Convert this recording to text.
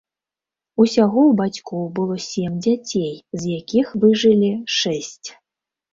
Усяго ў бацькоў было сем дзяцей, з якіх выжылі шэсць.